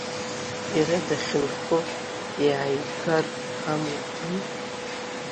Иара дахьынхо иааигар амуӡои?